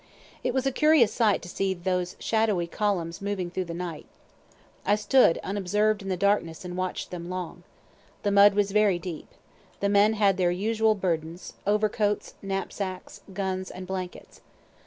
It was a curious sight to see those shadowy columns moving through the night. I stood unobserv'd in the darkness and watch'd them long. The mud was very deep. The men had their usual burdens, overcoats, knapsacks, guns and blankets.